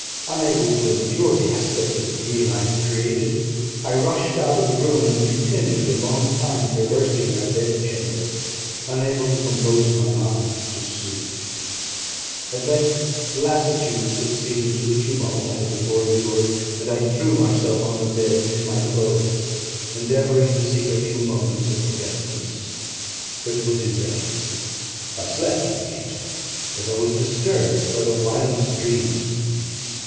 Unable to endure the aspect of the being I had created, I rushed out of the room, and continued a long time traversing my bedchamber, unable to compose my mind to sleep. At length lassitude succeeded to the tumult I had before endured; and I threw myself on the bed in my clothes, endeavouring to seek a few moments of forgetfulness. But it was in vain: I slept, indeed, but I was disturbed by the wildest dreams.